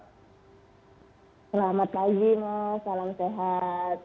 selamat pagi mas salam sehat